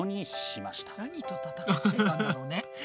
何と戦ってたんだろうね？